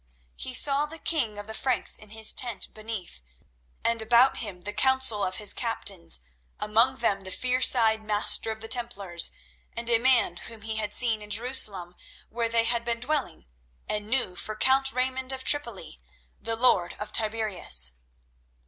He saw the king of the Franks in his tent beneath, and about him the council of his captains, among them the fierce eyed master of the Templars, and a man whom he had seen in Jerusalem where they had been dwelling, and knew for Count Raymond of Tripoli, the lord of Tiberias.